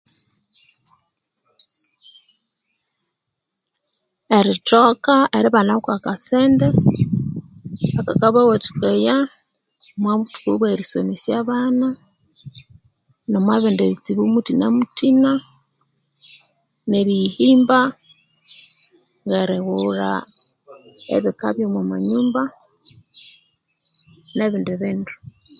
Erithoka eribanaku akasente akakabawathikaya omobuthuku obwerisomesya abana omwabindu bitsibu muthina muthina nerihimba nerighulha ebikabya omonyumba nebindi bindu